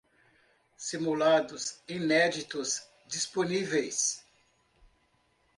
Simulados inéditos disponíveis